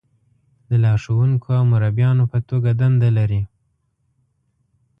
د لارښونکو او مربیانو په توګه دنده لري.